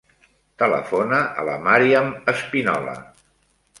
Telefona a la Màriam Espinola.